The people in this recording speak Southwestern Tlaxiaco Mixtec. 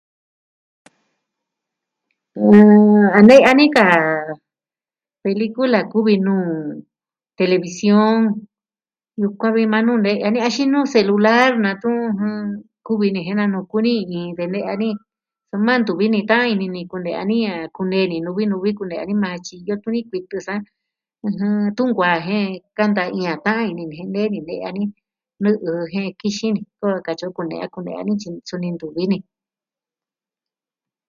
Tun a ne'e a ni ka, pelikula kuvi nu, television, yukuan vi maa nuu ne'ya ni axin nuu selular na tuun ju kuvi ni jen na'nu kuni ni de ne'ya ni. Soma ntuvi ni ta'an ini ni kune'ya ni a kunee ni nuvi nuvi kune'ya ni maa tyi iyo tuni kuitɨ sa, ɨjɨn tun nkuaa jen kanta i a ta'an ini ni jen nee ni ne'ya ni. Nɨ'ɨ jen kixin ni. Kuvi katyi o kune'ya kune'ya ni suni ntuvi ni.